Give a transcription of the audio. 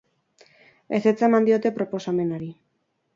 Ezetza eman diote proposamenari.